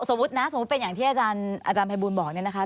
สมมติเป็นอย่างที่อาจารย์พระบูลบอก